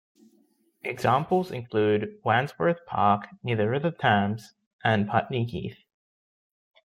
Examples include Wandsworth Park near the River Thames and Putney Heath.